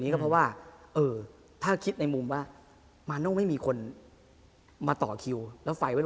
ก็ต้องหาใหม่เลยนะ